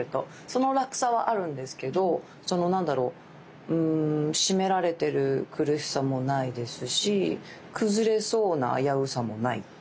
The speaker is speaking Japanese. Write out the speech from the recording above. その楽さはあるんですけど何だろう締められてる苦しさもないですし崩れそうな危うさもない。